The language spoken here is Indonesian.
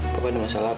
papa ada masalah pak